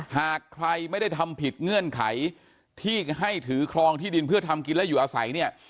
หากใครไม่ได้ทำผิดเงื่อนไขที่ให้ถือครองที่ดินเพื่อทำกินและอยู่อาศัยเนี่ย